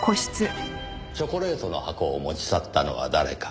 チョコレートの箱を持ち去ったのは誰か？